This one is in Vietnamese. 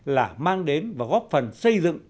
là mang đến và góp phần xây dựng